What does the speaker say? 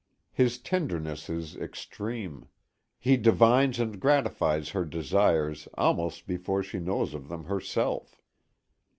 His tenderness is extreme. He divines and gratifies her desires almost before she knows of them herself.